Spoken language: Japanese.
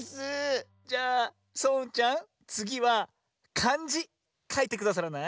じゃあそううんちゃんつぎはかんじかいてくださらない？